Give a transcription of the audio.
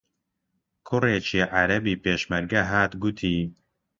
کوڕێکی عەرەبی پێشمەرگە هات گوتی: